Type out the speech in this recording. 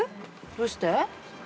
どうして？